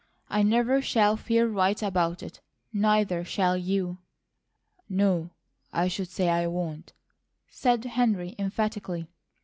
I never shall feel right about it; neither shall you " "No, I should say I won't!" said Henry emphatically.